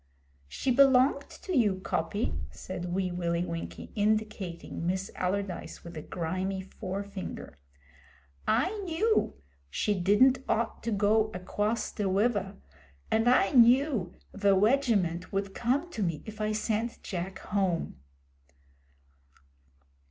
'She belonged to you, Coppy,' said Wee Willie Winkie, indicating Miss Allardyce with a grimy forefinger. 'I knew she didn't ought to go acwoss ve wiver, and I knew ve wegiment would come to me if I sent Jack home.'